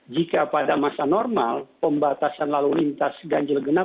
jika pada masa normal pembatasan lalu lintas ganjel genap tujuannya agar terjadi